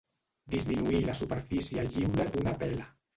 Disminuir la superfície lliure d'una vela.